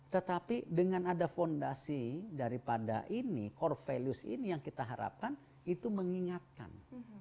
tetapi dengan ada fondasi daripada ini core values ini yang kita harapkan itu mengingatkan